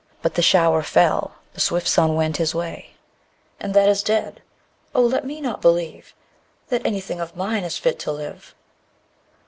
But the shower fell, the swift Sun went his way And that is dead. O, let me not believe That anything of mine is fit to live!